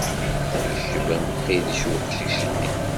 Yecba Mqidec uqcic-nni.